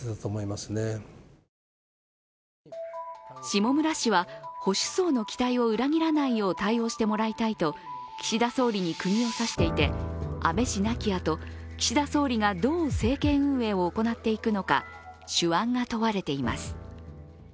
下村氏は保守層の期待を裏切らないよう対応してもらいたいと岸田総理に釘を刺していて、安倍氏亡きあと、岸田総理がどう政権運営を行っていくのか手腕が問われています。